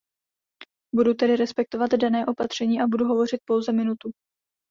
Budu tedy respektovat dané opatření a budu hovořit pouze minutu.